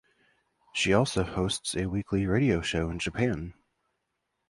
She also hosts a weekly radio show in Japan.